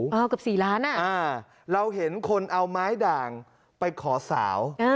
เกือบ๔ล้านอ่ะอ่าเราเห็นคนเอาไม้ด่างไปขอสาว